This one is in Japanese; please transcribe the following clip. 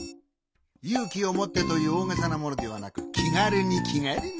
「ゆうきをもって！」というおおげさなものではなくきがるにきがるに。